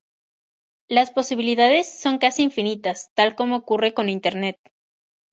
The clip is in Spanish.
Las posibilidades son casi infinitas, tal como ocurre con internet.